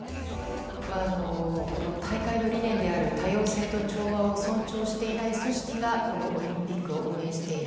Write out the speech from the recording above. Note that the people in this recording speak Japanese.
大会の理念である多様性と調和を尊重していない組織がこのオリンピックを運営している。